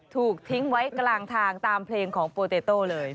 ถูกทิ้งไว้กลางทางตามเพลงของโปเตโต้เลย